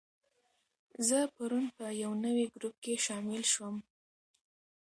زه پرون په یو نوي ګروپ کې شامل شوم.